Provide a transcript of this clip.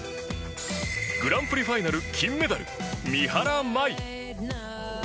グランプリファイナル金メダル三原舞依。